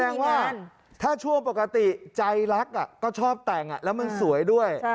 แสดงว่าถ้าชั่วปกติใจรักก็ชอบแต่งแล้วมันสวยด้วย